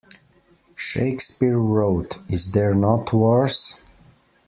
Shakespeare wrote, 'Is there not wars?